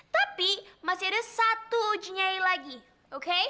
tapi masih ada satu uji nyali lagi oke